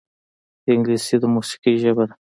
انګلیسي د موسیقۍ ژبه ده